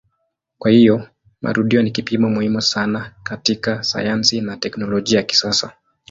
Kwa hiyo marudio ni kipimo muhimu sana katika sayansi na teknolojia ya kisasa.